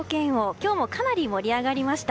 今日もかなり盛り上がりました。